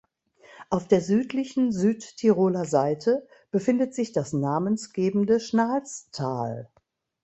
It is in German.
Auf der südlichen Südtiroler Seite befindet sich das namensgebende Schnalstal.